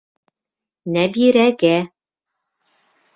Нәбирәгә!